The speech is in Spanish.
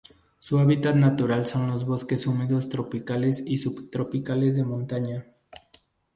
Su habitat natural son los bosques húmedos tropicales y subtropicales de montaña.